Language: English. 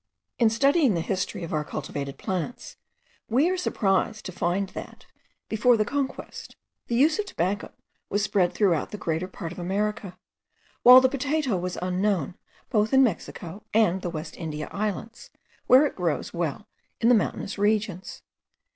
In studying the history of our cultivated plants, we are surprised to find that, before the conquest, the use of tobacco was spread through the greater part of America, while the potato was unknown both in Mexico and the West India Islands, where it grows well in the mountainous regions.